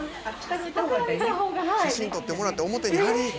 写真撮ってもらって表に貼りっ